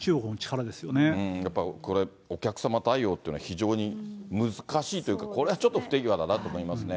やっぱりこれ、お客様対応っていうのは非常に難しいというか、これはちょっと不手際だなと思いますね。